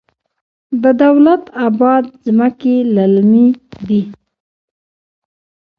د دولت اباد ځمکې للمي دي